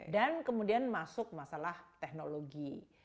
dan kemudian masuk masalah teknologi